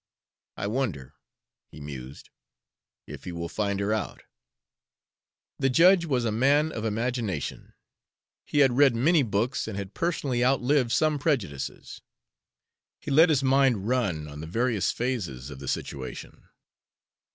I wonder," he mused, "if he will find her out?" The judge was a man of imagination; he had read many books and had personally outlived some prejudices. He let his mind run on the various phases of the situation.